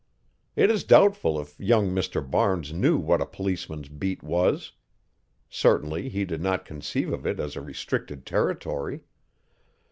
It is doubtful if young Mr. Barnes knew what a policeman's beat was. Certainly he did not conceive of it as a restricted territory.